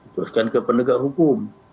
teruskan ke pendegak hukum